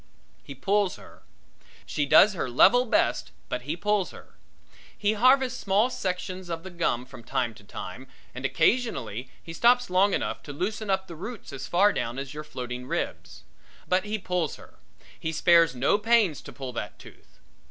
He pulls her. She does her level best but he pulls her. He harvests small sections of the gum from time to time and occasionally he stops long enough to loosen up the roots as far down as your floating ribs. But he pulls her. He spares no pains to pull that tooth.